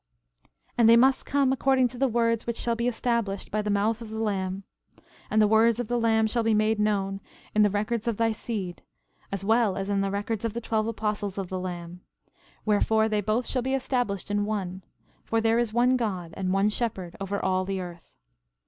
13:41 And they must come according to the words which shall be established by the mouth of the Lamb; and the words of the Lamb shall be made known in the records of thy seed, as well as in the records of the twelve apostles of the Lamb; wherefore they both shall be established in one; for there is one God and one Shepherd over all the earth.